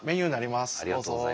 ありがとうございます。